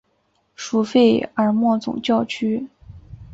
属费尔莫总教区。